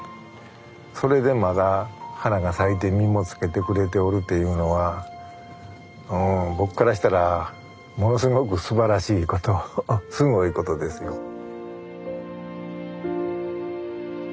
それでまだ花が咲いて実もつけてくれておるというのはうん僕からしたらものすごくすばらしいことすごいことですよ。